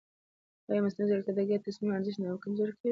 ایا مصنوعي ځیرکتیا د ګډ تصمیم ارزښت نه کمزوری کوي؟